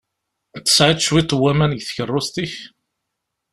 Tesɛiḍ cwiṭ n waman deg tkeṛṛust-ik?